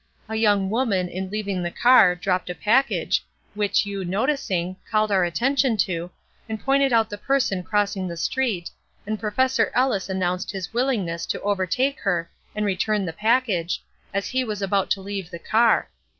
A young woman, in leaving the car, dropped a package, which you noticing, called our attention to, and pointed out the person crossing the street, and Professor Ellis announced his willingness to overtake her and return the package, as he was about to leave the car.